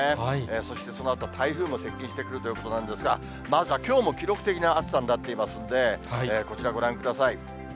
そしてそのあと、台風も接近してくるということなんですが、まずはきょうも記録的な暑さになっていますので、こちらご覧ください。